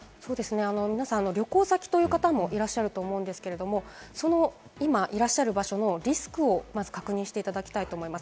皆さん、旅行先という方もいらっしゃると思うんですけれども、今いらっしゃる場所のリスクをまず確認していただきたいと思います。